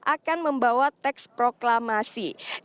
akan membawa teks proklamasi